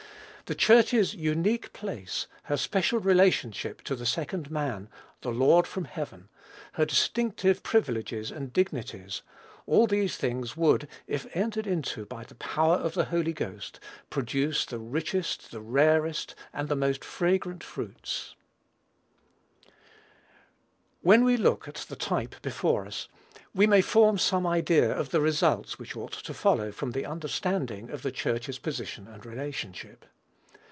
The Church's unique place, her special relationship to "the Second Man, the Lord from heaven," her distinctive privileges and dignities, all these things would, if entered into by the power of the Holy Ghost, produce the richest, the rarest, and the most fragrant fruits. (See Eph. v. 23 32.) When we look at the type before us, we may form some idea of the results which ought to follow from the understanding of the Church's position and relationship.